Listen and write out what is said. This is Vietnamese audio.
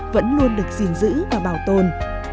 vẫn luôn được gìn giữ và bảo tồn